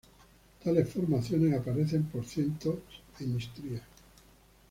Tales formaciones aparecen por cientos en Istria.